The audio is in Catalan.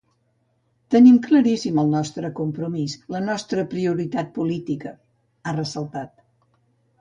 Tenim claríssim el nostre compromís, la nostra prioritat política, ha ressaltat.